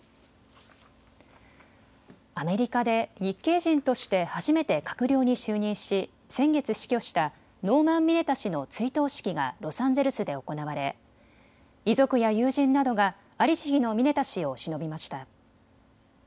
アメリカで日系人として初めて閣僚に就任し先月死去したノーマン・ミネタ氏の追悼式がロサンゼルスで行われ遺族や友人などが在りし日のミネタ氏をしのびました。